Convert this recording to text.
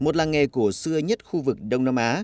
một làng nghề cổ xưa nhất khu vực đông nam á